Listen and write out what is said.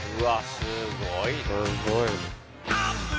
すごい。